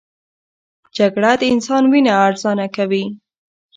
جګړه د انسان وینه ارزانه کوي